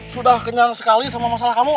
sudah kenyang sekali sama masalah kamu